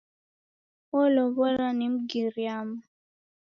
Wolow'olwa ni Mgiriama.